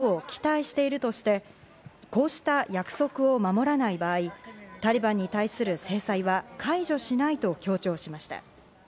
アフガンからの渡航の自由など約束を守ることを期待しているとして、こうした約束を守らない場合、タリバンに対する制裁は解除しないと強調しました。